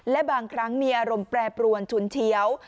และบางครั้งมีอารมณ์แปรปรวนฉุนเฉียว